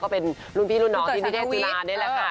เป็นรุ่นพี่รุ่นน้องที่นิเทศศิลานี่แหละค่ะ